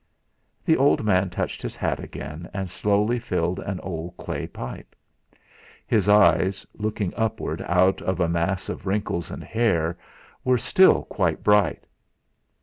The old man touched his hat again, and slowly filled an old clay pipe. His eyes, looking upward out of a mass of wrinkles and hair, were still quite bright.